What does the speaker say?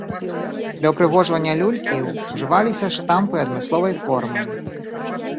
Для ўпрыгожвання люлькі ўжываліся штампы адмысловай формы.